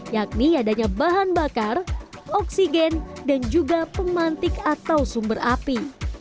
yakni adanya bahan bakar oksigen dan juga pemantik atau sumber api